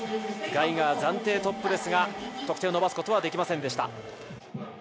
ガイガー暫定トップですが得点を伸ばすことはできません。